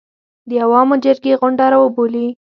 د عوامو جرګې غونډه راوبولي